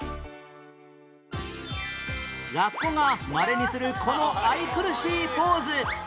ラッコがまれにするこの愛くるしいポーズ